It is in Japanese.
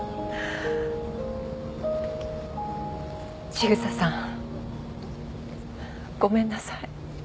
千草さんごめんなさい。